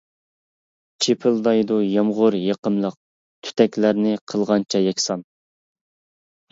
چىپىلدايدۇ يامغۇر يېقىملىق، تۈتەكلەرنى قىلغانچە يەكسان.